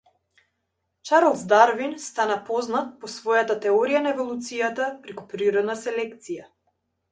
Чарлс Дарвин стана познат по својата теорија на еволуцијата преку природна селекција.